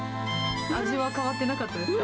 味は変わってなかったですか？